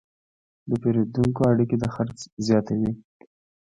د پیرودونکو اړیکې د خرڅ زیاتوي.